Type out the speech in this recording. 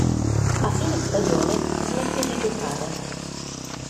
A fine stagione smette di giocare.